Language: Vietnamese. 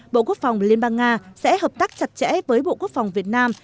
bộ quốc phòng liên bang nga sẽ hợp tác chặt chẽ với bộ quốc phòng việt nam